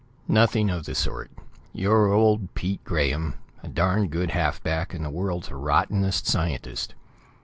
"Nothing of the sort. You're old Pete Grahame, a darned good half back, and the world's rottenest scientist.